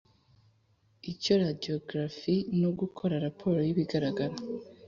icya radiyo garafi no gukora raporo y ibigaragara